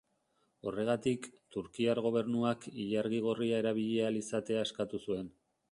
Horregatik, turkiar gobernuak ilargi gorria erabili ahal izatea eskatu zuen.